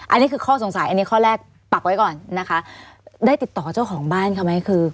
อันนี้คือข้อสงสัยอันนี้ข้อแรกปักไว้ก่อนนะคะได้ติดต่อเจ้าของบ้านเขาไหมคือ